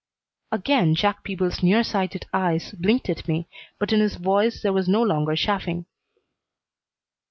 Again Jack Peebles's near sighted eyes blinked at me, but in his voice there was no longer chaffing.